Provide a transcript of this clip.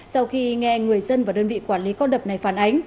sau khi nghe người dân và đơn vị quản lý con đập này phản ánh